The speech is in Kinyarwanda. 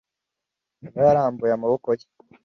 eva yarambuye amaboko ye